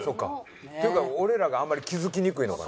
っていうか俺らがあんまり気づきにくいのかな。